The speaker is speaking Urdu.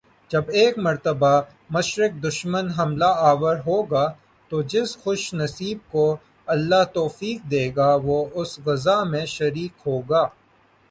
جب ایک مرتبہ مشرک دشمن حملہ آور ہو گا، تو جس خوش نصیب کو اللہ توفیق دے گا وہ اس غزوہ میں شریک ہوگا۔۔